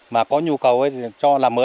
mà có nhu cầu thì cho làm gia quốc